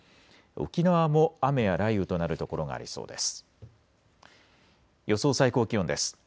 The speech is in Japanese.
沖縄も雨や雷雨となる所がありそうです。